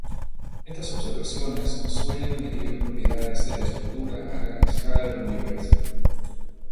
Estas observaciones suelen medir propiedades de la estructura a gran escala del universo.